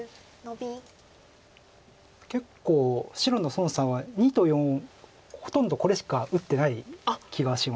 結構白の孫さんは２と４ほとんどこれしか打ってない気がします。